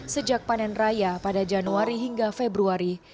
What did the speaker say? sejak panen raya pada januari hingga februari